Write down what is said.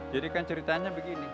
jadi kan ceritanya begini